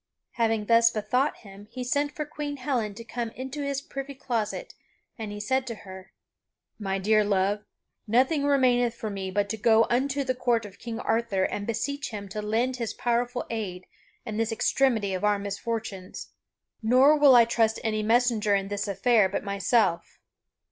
Having thus bethought him, he sent for Queen Helen to come into his privy closet and he said to her: "My dear love, nothing remaineth for me but to go unto the court of King Arthur and beseech him to lend his powerful aid in this extremity of our misfortunes; nor will I trust any messenger in this affair but myself.